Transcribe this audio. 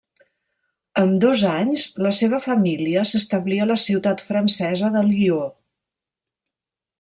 Amb dos anys, la seva família s'establí a la ciutat francesa de Lió.